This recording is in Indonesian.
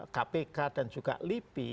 kpk dan juga lipi